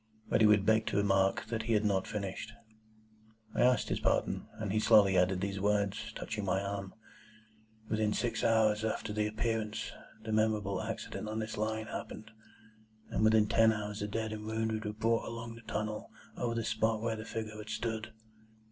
But he would beg to remark that he had not finished. I asked his pardon, and he slowly added these words, touching my arm,— "Within six hours after the Appearance, the memorable accident on this Line happened, and within ten hours the dead and wounded were brought along through the tunnel over the spot where the figure had stood."